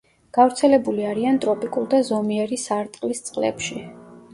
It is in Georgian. გავრცელებული არიან ტროპიკულ და ზომიერი სარტყლის წყლებში.